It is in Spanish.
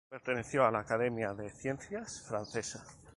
Perteneció a la Academia de Ciencias Francesa.